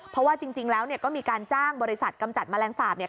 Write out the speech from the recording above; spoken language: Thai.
เพราะว่าจริงแล้วก็มีการจ้างบริษัทกำจัดแมลงสาปเนี่ย